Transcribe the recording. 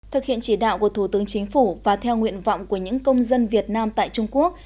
thực hiện chỉ đạo của thủ tướng chính phủ và theo nguyện vọng của những công dân việt nam tại trung quốc